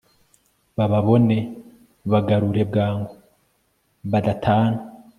bababone, bagarure bwangu badatana